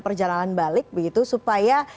perjalanan balik begitu supaya